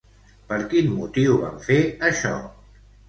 Per quin motiu van fer això?